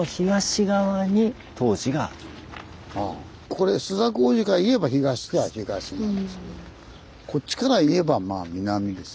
これ朱雀大路からいえば東といや東なんですけどもこっちからいえばまあ南です。